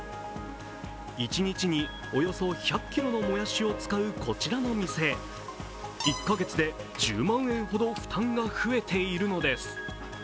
一日におよそ１００ｋｇのもやしを使うこちらの店、１カ月で、１０万円ほど負担が増えているのです。